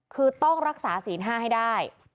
คือต้องรักษาศีล๕ให้ได้